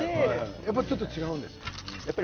やっぱりちょっと違うんですか？